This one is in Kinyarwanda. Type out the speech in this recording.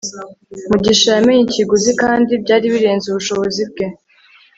mugisha yamenye ikiguzi kandi byari birenze ubushobozi bwe